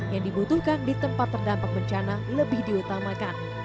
yang dibutuhkan di tempat terdampak bencana lebih diutamakan